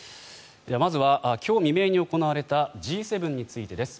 まずは今日未明に行われたＧ７についてです。